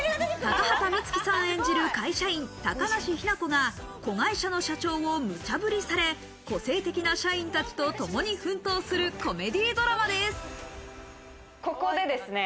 高畑充希さん演じる会社員・高梨雛子が子会社の社長をムチャブリされ、個性的な社員たちとともに奮闘するコメディドラマです。